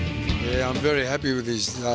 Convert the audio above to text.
saya sangat senang dengan persiapan dia